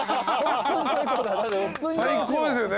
最高ですよね。